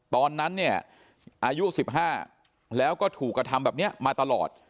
ตอนนั้นเนี่ยอายุ๑๕แล้วก็ถูกกระทำแบบนี้มาตลอด